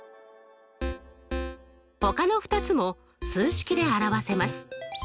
ほかの２つも数式で表せます。